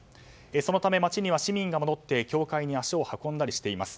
そのため街には市民が戻って教会に足を運んだりしています。